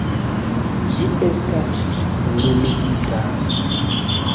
- Ĝi estas lumigita...